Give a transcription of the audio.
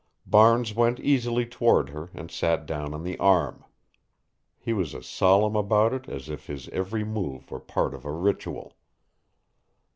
Barnes went easily toward her and sat down on the arm. He was as solemn about it as if his every move were part of a ritual.